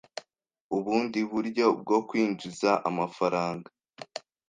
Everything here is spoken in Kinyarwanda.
ubundi buryo bwo kwinjiza amafaranga.